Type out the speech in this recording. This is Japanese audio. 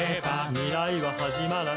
「未来ははじまらない」